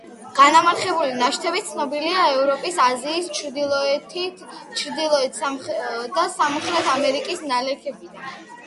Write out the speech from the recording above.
განამარხებული ნაშთები ცნობილია ევროპის, აზიის, ჩრდილოეთ და სამხრეთ ამერიკის ნალექებიდან.